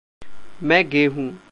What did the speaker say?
मैं गे हूँ।